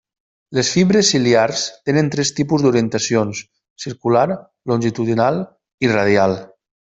Les fibres ciliars tenen tres tipus d'orientacions: circular, longitudinal i radial.